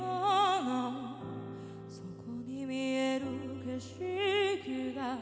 「なおそこに見える景色が」